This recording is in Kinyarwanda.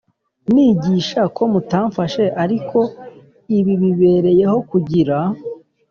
Nigisha ko mutamfashe ariko ibi bibereyeho kugira